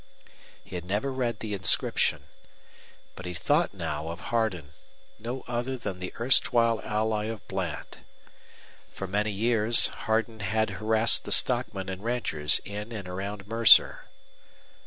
He had never read the inscription. But he thought now of Hardin, no other than the erstwhile ally of Bland. For many years Hardin had harassed the stockmen and ranchers in and around Mercer.